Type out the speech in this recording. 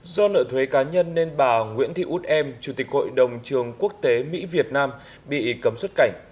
do nợ thuế cá nhân nên bà nguyễn thị út em chủ tịch hội đồng trường quốc tế mỹ việt nam bị cấm xuất cảnh